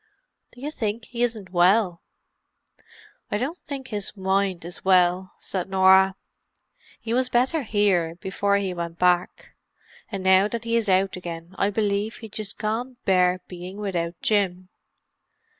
"Do you think he isn't well?" "I don't think his mind is well," said Norah. "He was better here, before he went back, but now that he is out again I believe he just can't bear being without Jim.